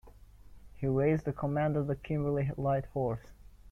He raised and commanded the Kimberley Light Horse.